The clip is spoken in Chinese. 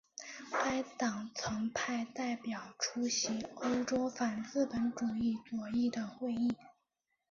该党曾派代表出席欧洲反资本主义左翼的会议。